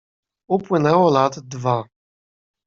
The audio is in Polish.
"Upłynęło lat dwa."